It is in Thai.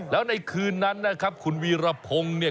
แล้วในคืนนั้นนะครับคุณวีรพงษ์